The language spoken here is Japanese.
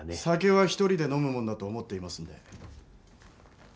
酒は一人で飲むものだと思っていますんで。